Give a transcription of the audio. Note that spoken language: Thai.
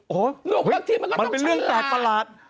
โหแล้วบางทีมันก็ต้องใช้หร่า